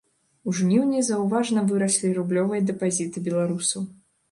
У жніўні заўважна выраслі рублёвыя дэпазіты беларусаў.